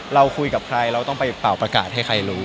เราคุยกับใครเราต้องไปเป่าประกาศให้ใครรู้